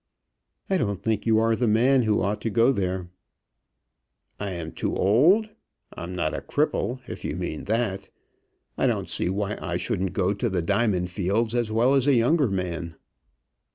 "I don't think you are the man who ought to go there." "I am too old? I'm not a cripple, if you mean that. I don't see why I shouldn't go to the diamond fields as well as a younger man."